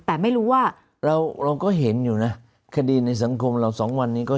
แต่ไม่รู้ว่าเราเราก็เห็นอยู่นะคดีในสังคมเราสองวันนี้ก็